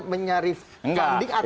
mencari funding atau lebih ke depan